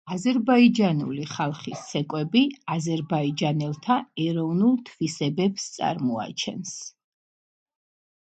აზერბაიჯანული სახალხო ცეკვები აზერბაიჯანელთა ეროვნულ თვისებებს წარმოაჩენს.